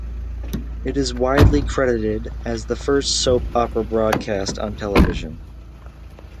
It is widely credited as the first soap opera broadcast on television.